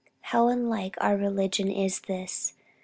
How unlike our religion is this!